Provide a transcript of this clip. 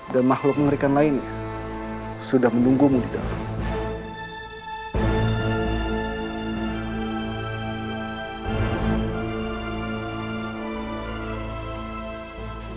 dan makhluk mengerikan lainnya sudah menunggumu di dalam